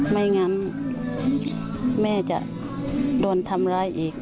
ไม่งั้นแม่จะโดนทำร้ายอีก